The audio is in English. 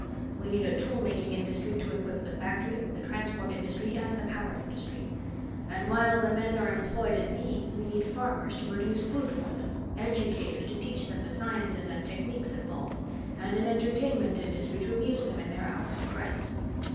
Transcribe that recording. We need a tool making industry to equip the factory, the transport industry and the power industry. And while the men are employed in these, we need farmers to produce food for them, educators to teach them the sciences and techniques involved, and an entertainment industry to amuse them in their hours of rest.